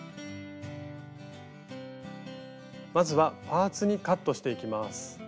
まずはパーツにカットしていきます。